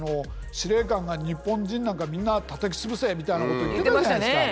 司令官が「日本人なんかみんなたたきつぶせ」みたいなことを言ってたじゃないですか。